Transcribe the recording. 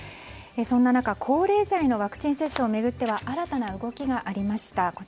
そんな中、高齢者へのワクチン接種を巡っては新たな動きがありました。